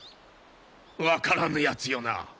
分からぬやつよな。